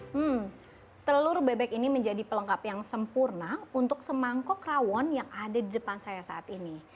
hmm telur bebek ini menjadi pelengkap yang sempurna untuk semangkok rawon yang ada di depan saya saat ini